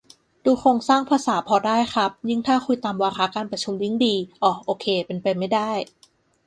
ดูโครงสร้างภาษาพอได้ครับ ยิ่งถ้าคุยตามวาระการประชุมยิ่งดี อ่อ โอเค เป็นไปไม่ได้